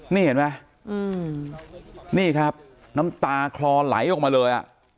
นี่เห็นไหมนี่ครับน้ำตาคลอไหลออกมาเลยอ่ะ